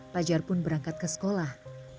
fajar pun berangkat ke sekolah